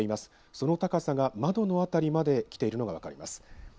その高さが窓の辺りまで来ているのが分かります。